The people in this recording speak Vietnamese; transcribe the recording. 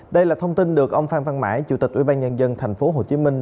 đây là thông tin được ông phan văn mãi chủ tịch ủy ban nhân dân thành phố hồ chí minh